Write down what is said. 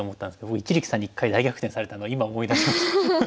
僕一力さんに１回大逆転されたの今思い出しました。